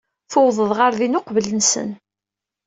Tuwḍeḍ ɣer din uqbel-nsen.